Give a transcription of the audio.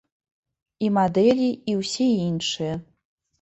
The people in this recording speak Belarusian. І мадэлі, і ўсе іншыя.